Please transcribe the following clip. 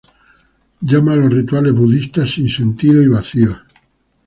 Él llama a los rituales budistas "sin sentido" y "vacíos".